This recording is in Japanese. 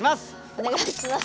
お願いします。